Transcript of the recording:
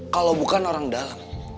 kalau bukan orang dalam